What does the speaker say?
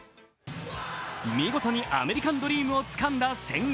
見事にアメリカンドリームをつかんだ千賀。